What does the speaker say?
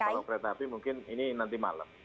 kalau kereta api mungkin ini nanti malam